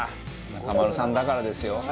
中丸さんだからですよ。